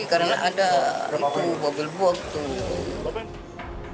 karena ada itu mobil box itu